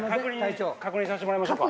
確認させてもらいましょうか。